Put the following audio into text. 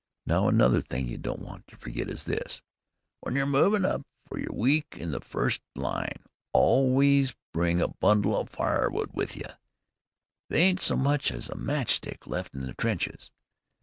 Now, another thing you don't want to ferget is this: W'en yer movin' up fer yer week in the first line, always bring a bundle o' firewood with you. They ain't so much as a match stick left in the trenches.